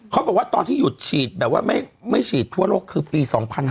เขาบอกว่าตอนที่หยุดฉีดแบบว่าไม่ฉีดทั่วโลกคือปี๒๕๕๙